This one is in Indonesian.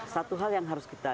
satu hal yang harus kita